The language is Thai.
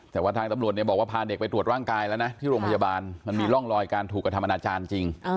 แต่ว่าทางตำรวจเนี่ยบอกว่าพาเด็กไปตรวจร่างกายแล้วนะที่โรงพยาบาลมันมีร่องรอยการถูกกระทำอนาจารย์จริง